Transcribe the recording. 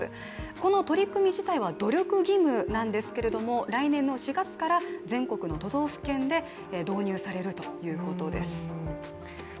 この取り組み自体は努力義務ですが来年の４月から全国の都道府県で導入されるということです。